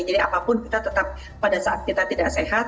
apapun kita tetap pada saat kita tidak sehat